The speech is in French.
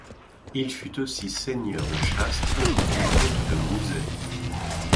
Il fut aussi seigneur de Chastre et vicomte de Mouzay.